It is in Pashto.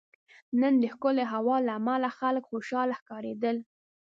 نن دښکلی هوا له عمله خلک خوشحاله ښکاریدل